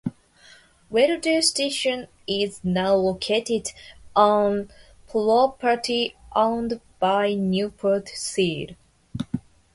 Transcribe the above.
"Wilder Station" is now located on property owned by Newport Steel.